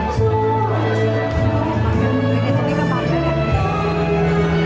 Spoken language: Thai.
สวัสดีสวัสดี